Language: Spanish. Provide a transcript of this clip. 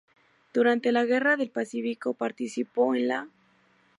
Durante la Guerra del Pacífico participó en la